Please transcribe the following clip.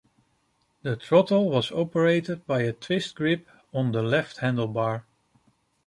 The throttle was operated by a twist-grip on the left handlebar.